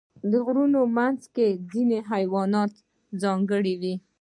د غرونو منځ کې ځینې حیوانات ځانګړي وي.